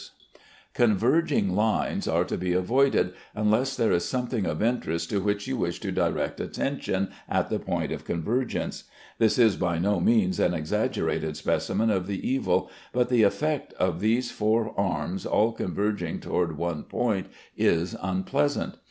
Converging lines are to be avoided, unless there is something of interest to which you wish to direct attention at the point of convergence. This is by no means an exaggerated specimen of the evil; but the effect of these four arms all converging toward one point is unpleasant.